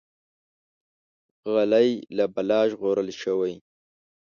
غلی، له بلا ژغورل شوی.